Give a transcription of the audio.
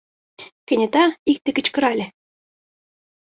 Кенета икте кычкырале: